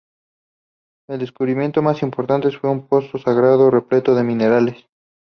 El descubrimiento más importante fue un pozo sagrado repleto de materiales.